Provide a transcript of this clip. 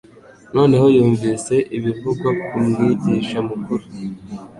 Noneho yumvise ibivugwa ku Mwigisha mukuru,